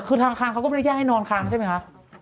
คือธนาคารเขาก็ไม่ได้แยกให้นอนค้างใช่ไหมคะ